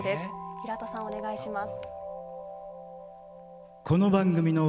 平田さん、お願いします。